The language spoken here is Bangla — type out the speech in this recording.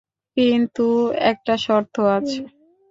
কিন্তু একটা শর্ত আছে।